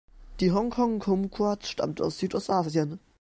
Die Hongkong-Kumquat stammt aus Südostasien.